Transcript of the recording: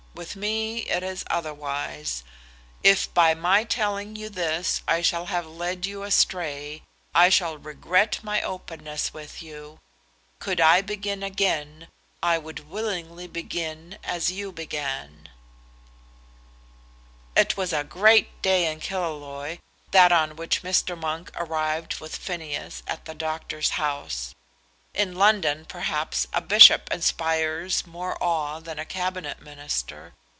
With me it is otherwise. If by my telling you this I shall have led you astray, I shall regret my openness with you. Could I begin again, I would willingly begin as you began." It was a great day in Killaloe, that on which Mr. Monk arrived with Phineas at the doctor's house. In London, perhaps, a bishop inspires more awe than a Cabinet Minister.